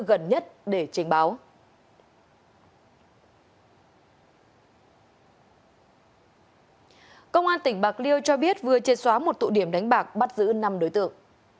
cơ quan cảnh sát điều tra công an tỉnh bạc liêu cho biết vừa chê xóa một tụ điểm đánh bạc bắt giữ năm đối tượng